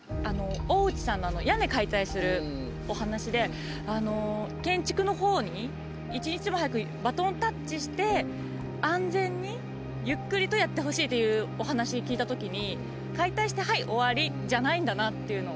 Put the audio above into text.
大内さんの屋根解体するお話であの建築のほうに一日も早くバトンタッチして安全にゆっくりとやってほしいっていうお話聞いた時に解体してはい終わりじゃないんだなっていうのを感じました。